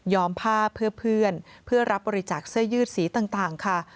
ผ้าเพื่อเพื่อนเพื่อรับบริจาคเสื้อยืดสีต่างค่ะ